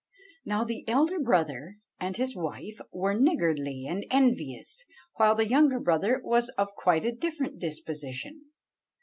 Now the elder brother and his wife were niggardly and envious, while the younger brother was of quite a different disposition.